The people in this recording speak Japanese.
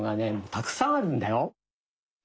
たくさんあるんだよ。